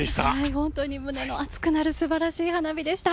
本当に胸の熱くなるすばらしい花火でした。